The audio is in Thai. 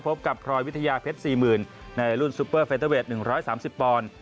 พบกับพรอยวิทยาเพชร๔๐๐๐ในรุ่นซูเปอร์เฟนเตอร์เวท๑๓๐ปอนด์